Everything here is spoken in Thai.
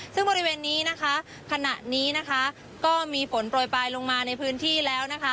ซึ่งบริเวณนี้ขณะนี้ก็มีฝนโปรยปลายลงมาในพื้นที่แล้ว